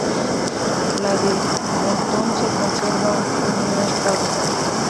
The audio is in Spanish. La del Pontón se conserva en buen estado.